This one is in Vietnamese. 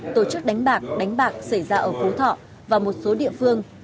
tổ chức đánh bạc đánh bạc xảy ra ở phú thọ và một số địa phương